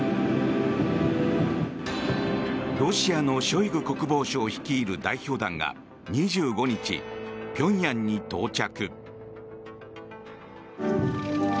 ロシアのショイグ国防相率いる代表団が２５日、ピョンヤンに到着。